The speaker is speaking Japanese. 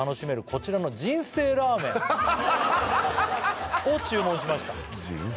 「こちらの人生ラーメンを注文しました」